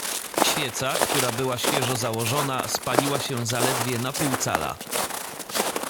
"Świeca, która była świeżo założona, spaliła się zaledwie na pół cala."